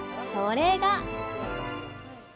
それが！